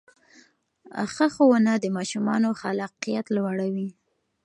ښه ښوونه د ماشومانو خلاقیت لوړوي.